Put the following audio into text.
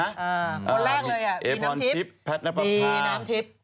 วันแรกเลยอะบีน้ำทิพย์แพทย์น้ำพันธา